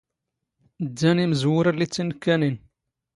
ⴷⴷⴰⵏ ⵉⵎⵣⵡⵓⵔⴰ ⵍⵍⵉ ⵜⵜ ⵉⵏⵏ ⴽⴽⴰⵏⵉⵏ.